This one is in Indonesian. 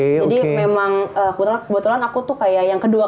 jadi memang kebetulan aku tuh kayak